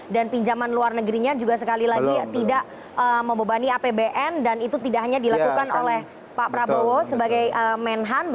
dan pinjaman luar negerinya juga sekali lagi tidak membebani apbn dan itu tidak hanya dilakukan oleh pak prabowo sebagai menhan